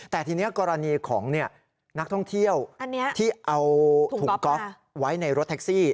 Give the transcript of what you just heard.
แต่ทีนี้กรณีของนักท่องเที่ยวที่เอาถุงก๊อฟไว้ในรถแท็กซี่